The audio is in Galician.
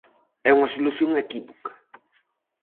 É unha solución equívoca.